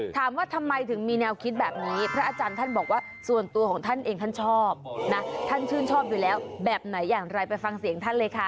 ถามว่าทำไมถึงมีแนวคิดแบบนี้พระอาจารย์ท่านบอกว่าส่วนตัวของท่านเองท่านชอบนะท่านชื่นชอบอยู่แล้วแบบไหนอย่างไรไปฟังเสียงท่านเลยค่ะ